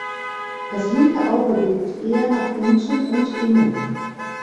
Das linke Auge blickt eher nach unten und innen.